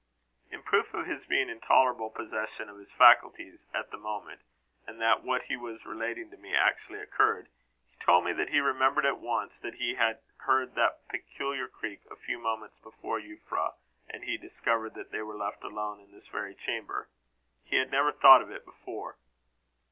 In proof of his being in tolerable possession of his faculties at the moment, and that what he was relating to me actually occurred, he told me that he remembered at once that he had heard that peculiar creak, a few moments before Euphra and he discovered that they were left alone in this very chamber. He had never thought of it before.